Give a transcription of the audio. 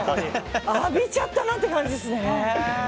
浴びちゃったなって感じですね。